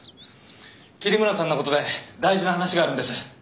桐村さんのことで大事な話があるんです。